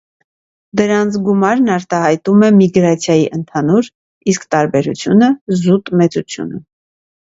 Դրանց գումարն արտահայտում է միգրացիայի ընդհանուր, իսկ տարբերությունը՝ զուտ մեծությունը։